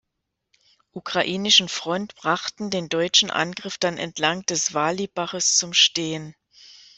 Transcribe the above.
Ukrainischen Front brachten den deutschen Angriff dann entlang des Vali-Baches zum Stehen.